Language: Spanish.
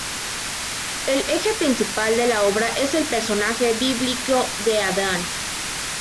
El eje principal de la obra es el personaje bíblico de Adán.